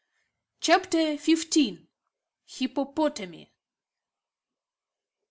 CHAPTER FIFTEEN. HIPPOPOTAMI.